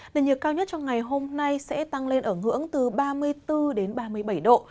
nền nhiệt cao nhất trong ngày hôm nay sẽ tăng lên ở ngưỡng từ ba mươi bốn đến ba mươi bảy độ